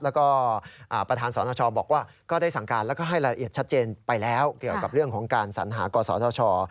แล้วก็ประธานสนชบอกว่าก็ได้สั่งการแล้วก็ให้รายละเอียดชัดเจนไปแล้วเกี่ยวกับเรื่องของการสัญหากศธช